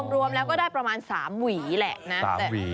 รวมแล้วก็ได้ประมาณสามหวีแหละนะสามหวี